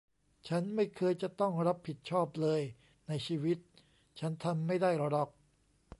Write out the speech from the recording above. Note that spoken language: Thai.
ฉันไม่เคยจะต้องรับผิดชอบเลยในชีวิต ฉันทำไม่ได้หรอก